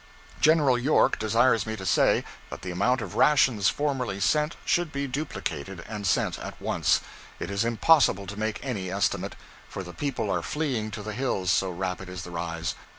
General York desires me to say that the amount of rations formerly sent should be duplicated and sent at once. It is impossible to make any estimate, for the people are fleeing to the hills, so rapid is the rise.